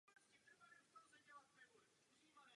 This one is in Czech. Pro výsadek těžké techniky slouží různé typy plavidel.